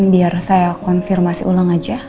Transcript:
biar saya konfirmasi ulang aja